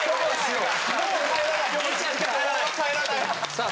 さあ！